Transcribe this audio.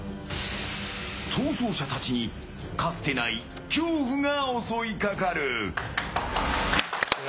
逃走者たちにかつてない恐怖が襲いかかる。